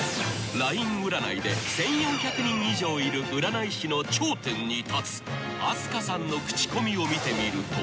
［ＬＩＮＥ占いで１，４００人以上いる占い師の頂点に立つ飛鳥さんの口コミを見てみると］